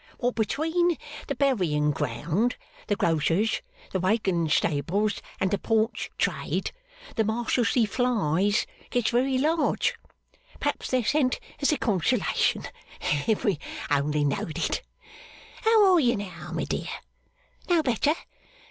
What between the buryin ground, the grocer's, the waggon stables, and the paunch trade, the Marshalsea flies gets very large. P'raps they're sent as a consolation, if we only know'd it. How are you now, my dear? No better?